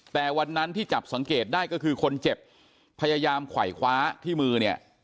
แต่วันนั้นที่จับสังเกตได้ก็คือคนเจ็บพยายามไขว่คว้าที่มือเนี่ย